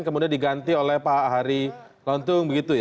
kemudian diganti oleh pak ahari lontung begitu ya